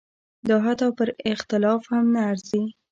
دا حتی پر اختلاف هم نه ارزي.